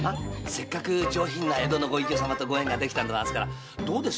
せっかく上品な江戸の御隠居様とご縁ができたんですからどうです？